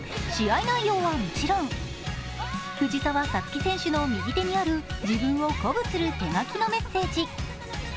試合内容はもちろん、藤澤五月選手の右手にある自分を鼓舞する手書きのメッセージ。